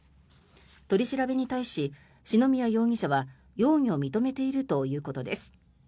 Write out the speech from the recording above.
取り調べに対し、篠宮容疑者は容疑を認めているということです。